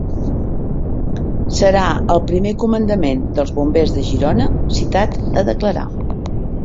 Serà el primer comandament dels Bombers de Girona citat a declarar